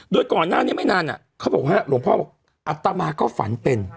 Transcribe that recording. โดยก่อนหน้านี้ไม่นานเขาบอกว่าหลวงพ่อบอกอัตมาก็ฝันเป็น